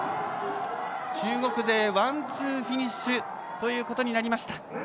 中国勢ワン、ツーフィニッシュとなりました。